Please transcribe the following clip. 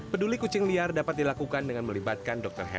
peduli kucing liar dapat dilakukan dengan melibatkan dokter hewan